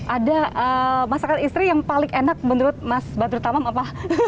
ada masakan istri yang paling enak menurut mas badrut tamam apa